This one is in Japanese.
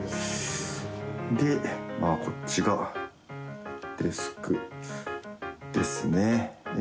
で、こっちが、デスクですね。